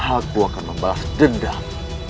aku akan membalas dendam